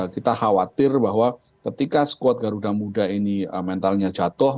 kita khawatir bahwa ketika squad garuda muda ini mentalnya jatuh